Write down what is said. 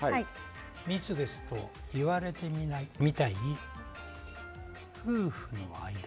「密です」と、言われてみたい、夫婦の間。